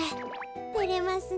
てれますねえ。